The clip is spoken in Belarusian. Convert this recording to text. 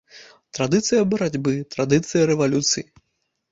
Традыцыя барацьбы, традыцыя рэвалюцыі.